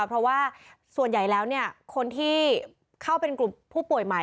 เพราะว่าส่วนใหญ่แล้วคนที่เข้าเป็นกลุ่มผู้ป่วยใหม่